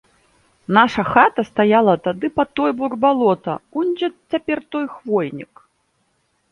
Наша хата стаяла тады па той бок балота, унь дзе цяпер той хвойнік.